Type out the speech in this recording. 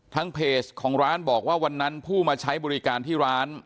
เพจของร้านบอกว่าวันนั้นผู้มาใช้บริการที่ร้าน